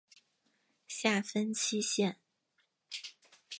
下分七县。